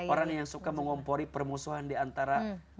orang yang suka mengompori permusuhan diantara dua orang